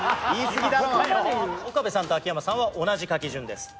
岡部さんと秋山さんは同じ書き順です。